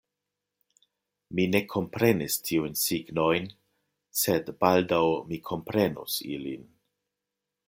Mi ne komprenis tiujn signojn, sed baldaŭ mi komprenus ilin.